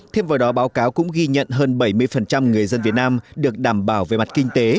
thêm vào đó báo cáo cũng ghi nhận hơn bảy mươi người dân việt nam được đảm bảo về mặt kinh tế